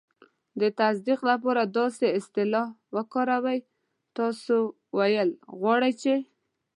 د تصدیق لپاره داسې اصطلاح وکاروئ: "تاسې ویل غواړئ چې..."